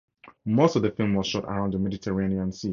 Most of the film was shot around the Mediterranean Sea.